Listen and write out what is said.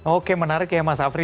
oke menarik ya mas afri